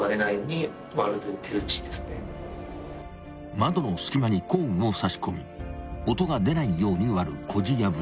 ［窓の隙間に工具を差し込み音が出ないように割るこじ破り］